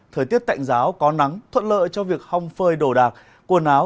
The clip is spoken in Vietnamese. thời tiết tạnh giáo có nắng thuận lợi cho việc hong phơi đồ đạc quần áo